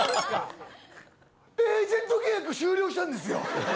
エージェント契約終了したんですよ。